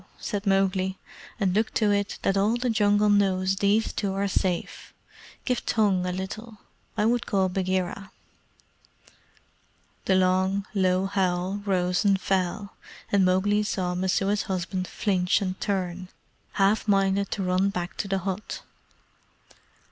said Mowgli; "and look to it that all the Jungle knows these two are safe. Give tongue a little. I would call Bagheera." The long, low howl rose and fell, and Mowgli saw Messua's husband flinch and turn, half minded to run back to the hut.